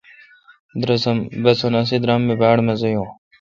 بسن اسی درام می باڑ مزہ یو۔